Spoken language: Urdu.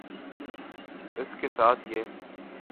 اس کے ساتھ یہ